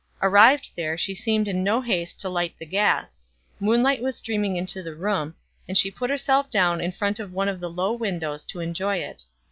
Arrived there, she seemed in no haste to light the gas; moonlight was streaming into the room, and she put herself down in front of one of the low windows to enjoy it.